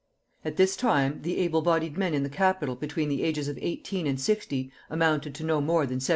At this time, the able bodied men in the capital between the ages of eighteen and sixty amounted to no more than 17,083.